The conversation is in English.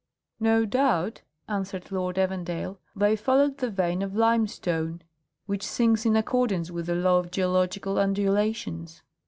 "No doubt," answered Lord Evandale, "they followed the vein of limestone, which sinks in accordance with the law of geological undulations."